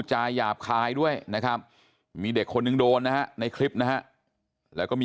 ยาบคายด้วยนะครับมีเด็กคนหนึ่งโดนนะฮะในคลิปนะฮะแล้วก็มี